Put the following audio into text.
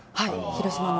広島の。